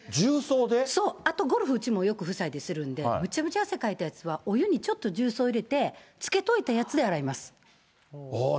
そう、あとゴルフ、うちよく夫妻でするんで、むちゃくちゃ汗かいたやつは、お湯にちょっと重曹入れて、つけといたやつで洗います。